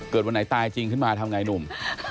วันไหนตายจริงขึ้นมาทำไงหนุ่ม